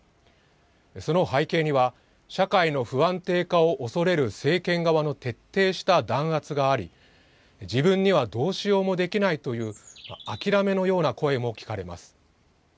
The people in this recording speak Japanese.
その背景には社会の不安定化を恐れる政権側の徹底した弾圧があり自分にはどうしようもできないという諦めのような声も聞かれます。